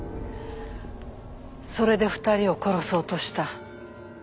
それで２人を殺そうとした？